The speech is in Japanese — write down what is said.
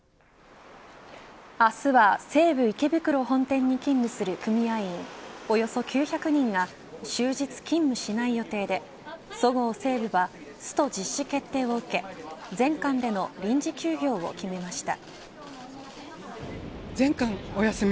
明日は西武池袋本店に勤務する組合員およそ９００人が終日勤務しない予定でそごう・西武はスト実施決定を受け全館での臨時休業を決めました。